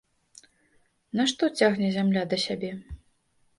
Нашто цягне зямля да сябе?